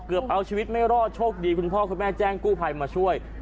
เอาชีวิตไม่รอดโชคดีคุณพ่อคุณแม่แจ้งกู้ภัยมาช่วย